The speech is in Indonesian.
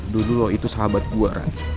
dulu loh itu sahabat gua rad